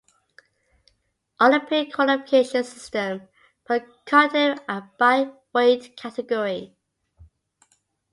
Olympic qualification system per continent and by weight category.